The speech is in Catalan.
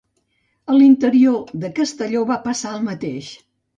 A l'interior de Castelló va passar el mateix.